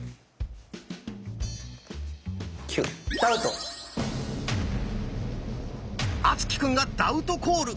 ９！敦貴くんがダウトコール。